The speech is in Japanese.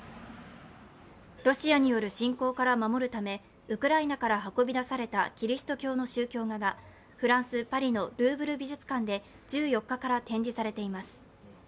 ロシアによる侵攻から守るためウクライナから運び出されたキリスト教の宗教画がフランス・パリのルーブル美術館で１４日から展示されています。